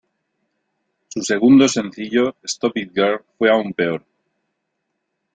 Su segundo sencillo, "Stop It Girl", fue aún peor.